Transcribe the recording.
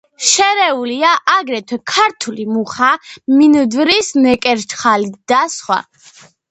შერეულია აგრეთვე ქართული მუხა, მინდვრის ნეკერჩხალი და სხვა.